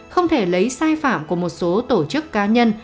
không thể lấy sai phạm của một số tổ chức cá nhân